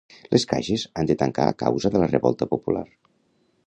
Les Caixes han de tancar a causa de la revolta popular.